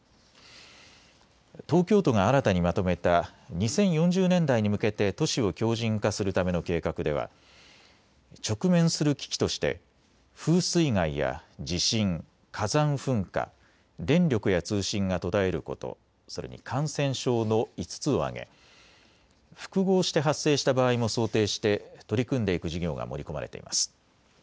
東京都が新たにまとめた２０４０年代に向けて都市を強じん化するための計画では直面する危機として風水害や地震火山噴火電力や通信が途絶えることそれに感染症の５つを挙げ複合して発生した場合も想定して取り組んでいく事業が盛り込まれています。